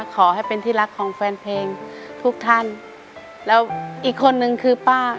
ขอให้เป็นที่รักของแฟนเพลงทุกท่านแล้วอีกคนนึงคือป้า